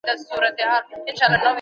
ولي پوښتني کول د فکر برخه ده؟